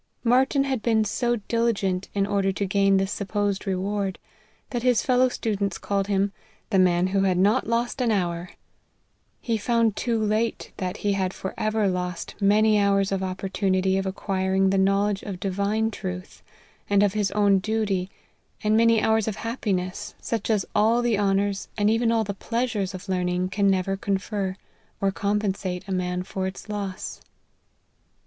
Martyn had been so diligent in order to gain this supposed reward, that his fellow students called him ' the man who had not lost an hour ;' he found too late that he had for ever lost many hours of opportunity of acquiring the knowledge of divine truth, and of his own duty, and many hours of happiness, such as all the honours, and even all the pleasures 16 LIFE OF HENRY MARTYN. of learning, can never confer, or compensate a man for its loss.